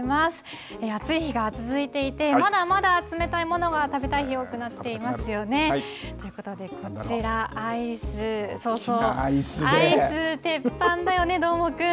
暑い日が続いていて、まだまだ冷たいものが食べたい日が多くなっていますよね。ということで、こちら、アイス、そうそう、アイス、鉄板だよね、どーもくん。